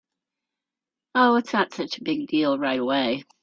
Oh, it’s not such a big deal right away.